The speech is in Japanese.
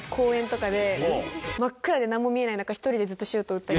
真っ暗で何も見えない中１人でずっとシュート打ったり。